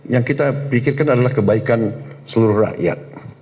yang kita pikirkan adalah kebaikan seluruh rakyat